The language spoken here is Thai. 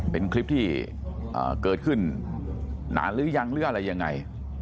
เป็นคลิปที่เกิดขึ้นนานหรือยังหรืออะไรยังไง